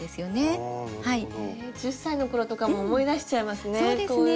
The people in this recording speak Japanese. １０歳の頃とかも思い出しちゃいますね。